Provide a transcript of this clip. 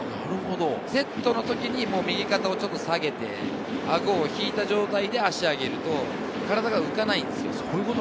セットの時に右肩をちょっと下げて、あごを引いた状態で足を上げると体が浮かないんですよ。